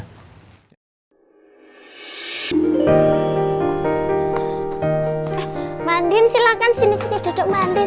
eh mbak andin silakan sini sini duduk mbak andin